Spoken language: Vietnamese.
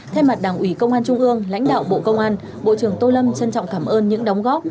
thay mặt đảng ủy công an trung ương lãnh đạo bộ công an bộ trưởng tô lâm trân trọng cảm ơn những đóng góp